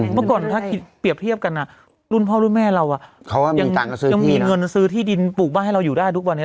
เมื่อก่อนถ้าคิดเปรียบเทียบกันรุ่นพ่อรุ่นแม่เรายังมีเงินซื้อที่ดินปลูกบ้านให้เราอยู่ได้ทุกวันนี้